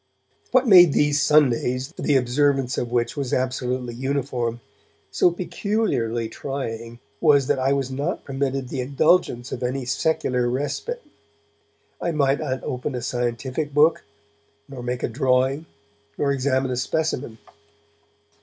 What made these Sundays, the observance of which was absolutely uniform, so peculiarly trying was that I was not permitted the indulgence of any secular respite. I might not open a scientific book, nor make a drawing, nor examine a specimen.